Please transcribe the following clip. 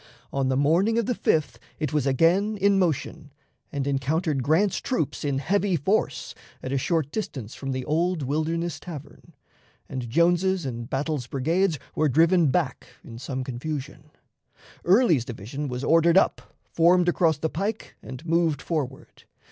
On the morning of the 5th it was again in motion, and encountered Grant's troops in heavy force at a short distance from the Old Wilderness Tavern, and Jones's and Battle's brigades were driven back in some confusion. Early's division was ordered up, formed across the pike, and moved forward.